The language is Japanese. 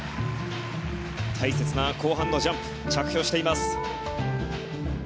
大切な後半のジャンプ着氷しています。